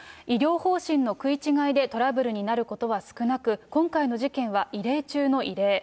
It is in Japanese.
医療方針の食い違いでトラブルになることは少なく、今回の事件は異例中の異例。